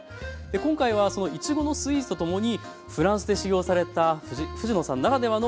今回はそのいちごのスイーツとともにフランスで修業された藤野さんならではのお話も伺っていきたいと思います。